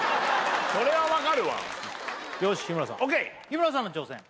それは分かるわよし日村さんＯＫ日村さんの挑戦